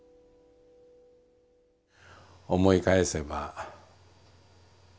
思い返せば。